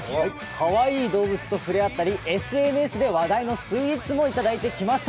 かわいい動物とふれあったりＳＮＳで話題のスイーツもいただいてきました。